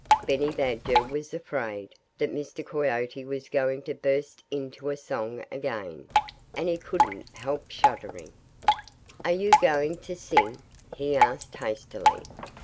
Benny Badger was afraid that Mr. Coyote was going to burst into song again. And he couldn't help shuddering. "Are you going to sing?" he asked hastily.